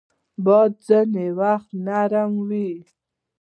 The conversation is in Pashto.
باد ځینې وخت نرم وي